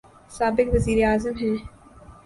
سابق وزیر اعظم ہیں۔